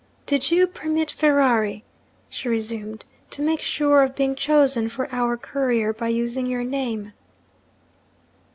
'Did you permit Ferrari,' she resumed, 'to make sure of being chosen for our courier by using your name?'